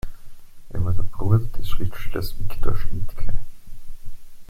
Er war der Bruder des Schriftstellers Viktor Schnittke.